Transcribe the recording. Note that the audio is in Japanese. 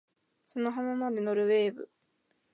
砂浜まで乗る wave